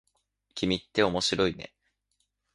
君って面白いね。